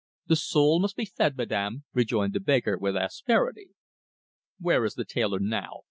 "The soul must be fed, Madame," rejoined the baker, with asperity. "Where is the tailor now?"